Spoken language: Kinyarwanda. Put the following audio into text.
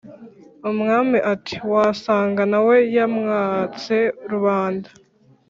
umwami ati"wasanga nawe yamwatse rubanda